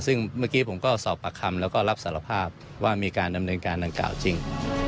ซึ่งเมื่อกี้ผมก็สอบปากคำแล้วก็รับสารภาพว่ามีการดำเนินการดังกล่าวจริง